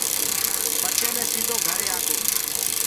پچهي مي سيٚدو گهري آگو۔